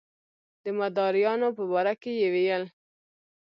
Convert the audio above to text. د مداریانو په باره کې یې ویل.